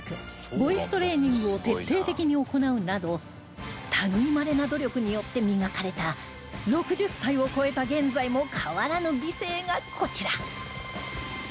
ボイストレーニングを徹底的に行うなど類いまれな努力によって磨かれた６０歳を超えた現在も変わらぬ美声がこちら